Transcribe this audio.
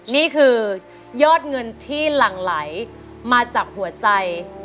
นี่คือยอดเงินที่หลั่งไหลมาจากหัวใจ